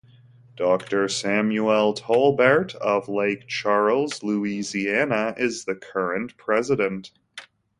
Doctor Samuel Tolbert of Lake Charles, Louisiana, is the current president.